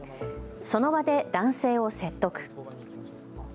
その場で男性を説得。